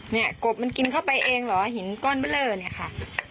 เนี่ยกบมันกินเข้าไปเองเหรอหินก้อนไปเลยเนี่ยค่ะ